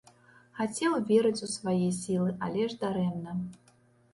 Хацеў верыць у свае сілы, але ж дарэмна.